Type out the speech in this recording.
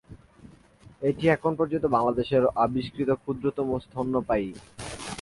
এটি এখন পর্যন্ত বাংলাদেশে আবিষ্কৃত ক্ষুদ্রতম স্তন্যপায়ী।